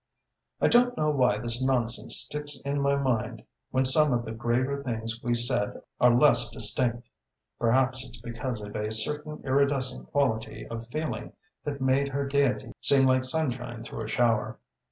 "I don't know why this nonsense sticks in my mind when some of the graver things we said are less distinct. Perhaps it's because of a certain iridescent quality of feeling that made her gaiety seem like sunshine through a shower....